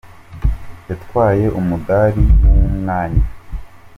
yatwaye umudali w’umwanya